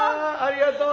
ありがとう！